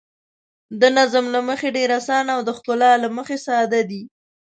د نظم له مخې ډېر اسانه او د ښکلا له مخې ساده دي.